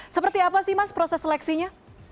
seperti apa sih mas proses seleksinya